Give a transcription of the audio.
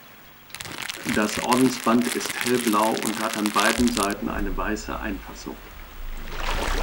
Das Ordensband ist hellblau und hat an beiden Seiten eine weiße Einfassung.